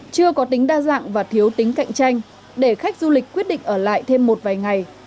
chưa có tính đa dạng và thiếu tính cạnh tranh để khách du lịch quyết định ở lại thêm một vài ngày